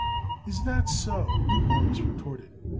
"Is that so?" Morris retorted.